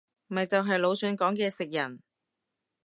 咪就係魯迅講嘅食人